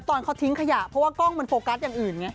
ตอนเขาทิ้งขยะเพราะว่ากล้องมันโฟกัสอย่างอื่นไง